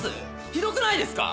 ⁉ひどくないですか？